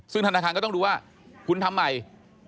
ซึ่งธนาคารก็ต้องดูว่าคุณทำใหม่